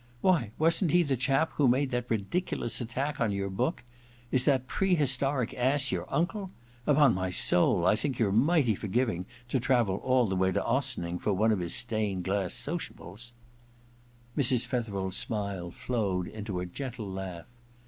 Why, wasn't he the chap who made that ridiculous attack on your book ? Is that pre historic ass your uncle ? Upon my soul, I think you're mighty forgiving to travel all the way to Ossining for one of his stained glass sociables I ' Mrs. Fetherel's smiles flowed into a gentle laugh.